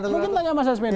mungkin tanya masa swendo